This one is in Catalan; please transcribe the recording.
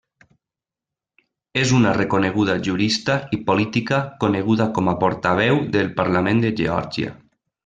És una reconeguda jurista i política coneguda com a portaveu del parlament de Geòrgia.